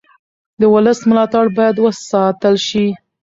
د ولس ملاتړ باید وساتل شي